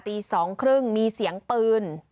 ตี๒๓๐นิดนึงมีเสียงปืน